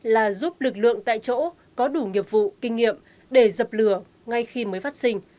là giúp lực lượng tại chỗ có đủ nghiệp vụ kinh nghiệm để dập lửa ngay khi mới phát sinh